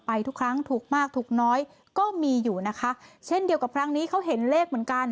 ทุกครั้งถูกมากถูกน้อยก็มีอยู่นะคะเช่นเดียวกับครั้งนี้เขาเห็นเลขเหมือนกัน